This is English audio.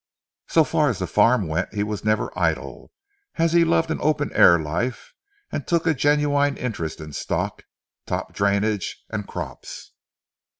So far as the farm went he was never idle, as he loved an open air life, and took a genuine interest in stock, top drainage and crops.